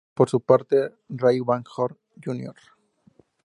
Por su parte, Ray Van Horn Jr.